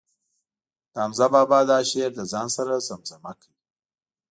د حمزه بابا دا شعر له ځان سره زمزمه کړ.